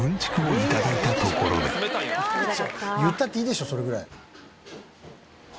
言ったっていいでしょそれぐらい。